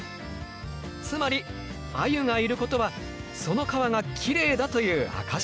つまりアユがいることはその川がきれいだという証しなのだ。